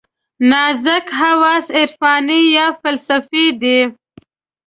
نازک حواس عرفاني یا فلسفي دي.